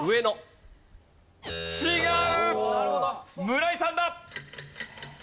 村井さんだ。